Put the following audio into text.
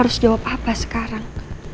bisa jawab apa sekarang